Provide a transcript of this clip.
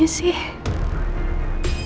kenapa malah nino yang celaka